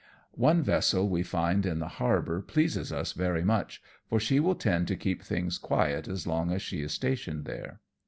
One vessel we find in the harbour pleases us very much, for she will tend to keep things quiet as long as she is stationed here.